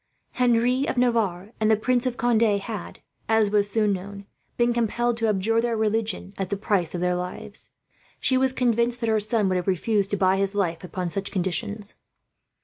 Henry of Navarre and the Prince of Conde had, as was soon known, been compelled to abjure their religion as the price of their lives. She was convinced that her son would have refused to buy his life, upon such conditions.